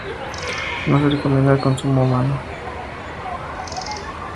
No se recomienda el consumo humano.